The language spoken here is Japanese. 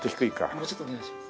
もうちょっとお願いします。